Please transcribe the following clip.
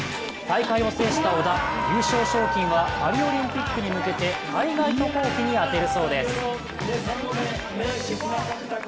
大会を制した織田、優勝賞金はパリオリンピックに向けて海外渡航費に充てるそうです。